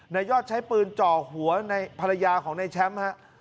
นายยอดใช้ปืนจ่อหัวในภรรยาของนายแชมป์ฮะ